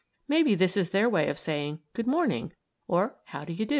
Maybe this is their way of saying "Good morning," or "How do you do?"